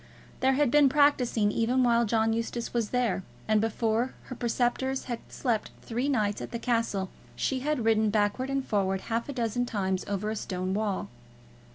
There had been practising even while John Eustace was there, and before her preceptors had slept three nights at the castle, she had ridden backwards and forwards half a dozen times over a stone wall.